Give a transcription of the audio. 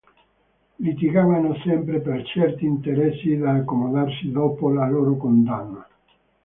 Litigavano sempre per certi interessi da accomodarsi dopo la loro condanna.